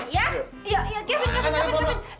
iya kevin kevin kevin